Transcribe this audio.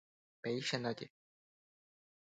Péicha ndaje.